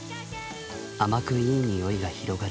甘くいい匂いが広がる。